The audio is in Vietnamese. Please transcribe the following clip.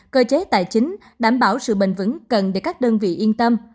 cơ chế tài chính đảm bảo sự bình vững cần để các đơn vị yên tâm